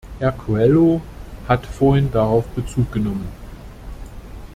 Herr Coelho hat vorhin darauf Bezug genommen.